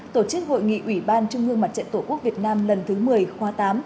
tổ chức hội nghị ủy ban trung ương mặt trận tổ quốc việt nam lần thứ một mươi khóa tám